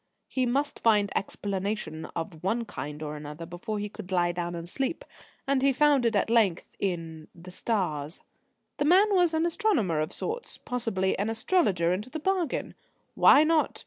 He must find explanation of one kind or another before he could lie down and sleep, and he found it at length in the stars. The man was an astronomer of sorts; possibly an astrologer into the bargain! Why not?